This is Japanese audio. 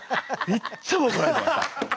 いっつもおこられてました。